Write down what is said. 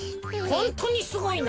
ホントにすごいな。